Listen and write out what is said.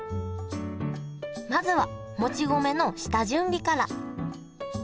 まずはもち米の下準備から。